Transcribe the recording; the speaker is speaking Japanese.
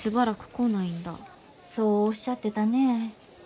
そうおっしゃってたねえ。